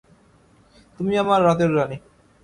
তুমি আমার রাতের রানি।